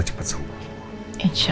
gak ada apa apa